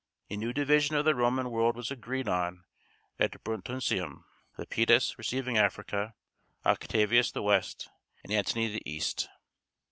A new division of the Roman world was agreed on at Brundusium, Lepidus receiving Africa, Octavius the West, and Antony the East.